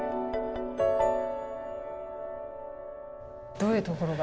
どういうところが？